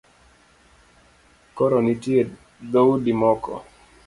Koro nitie dhoudi moko